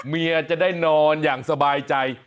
เมียจะได้นอนอย่างสบายใจ